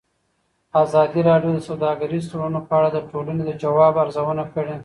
ازادي راډیو د سوداګریز تړونونه په اړه د ټولنې د ځواب ارزونه کړې.